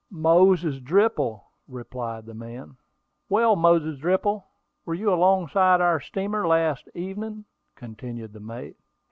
"Moses Dripple," replied the man. "Well, Moses Dripple, were you alongside our steamer last evening?" continued the mate.